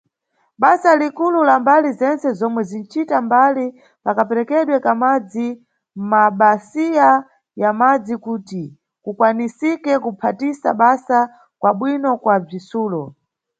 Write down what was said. Basa likulu la mbali zentse zomwe zinʼcita mbali pa kaperekedwe ka madzi mʼmabasiya ya madzi, kuti kukwanisike kuphatisa basa kwa bwino kwa bzitsulo.